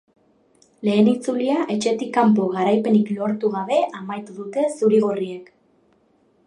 Lehen itzulia etxetik kanpo garaipenik lortu gabe amaitu dute zuri-gorriek.